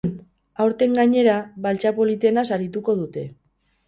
Aurten, gainera, baltsa politena sarituko dute.